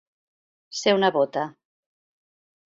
Ser una bota.